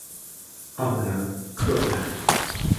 奥兰克莱。